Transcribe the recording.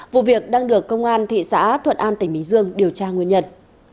vụ việc đang được công an thị xã thuận an tỉnh bình dương điều tra nguyên nhân